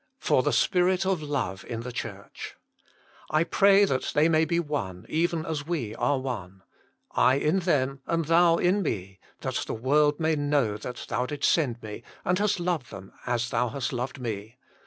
|Fur l\)t Spirit of fCofo in l\jt (Jhurclj "I pray that they may be one, even as we are one: I in them and Thou in Me ; that the world may know that Thou didst eend Me, and hast loved them as Thou hast loved Me